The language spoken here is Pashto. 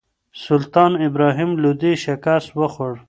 سلطان ابراهیم لودي شکست وخوړ